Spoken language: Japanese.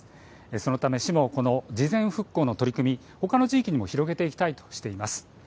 そのため市もこの事前復興の取り組み、ほかの地域にも広げたいとしています。